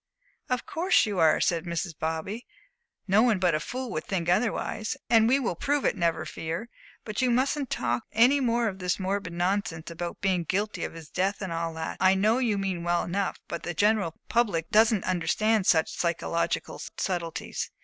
"Of course you are," said Mrs. Bobby. "No one but a fool would think otherwise. And we will prove it, never fear. But you mustn't talk any more of this morbid nonsense about being guilty of his death and all that. I know what you mean well enough, but the general public doesn't understand such psychological subtleties.